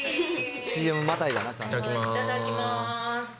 いただきます。